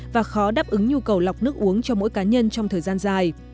và khó đáp ứng nhu cầu lọc nước uống cho mỗi cá nhân trong thời gian dài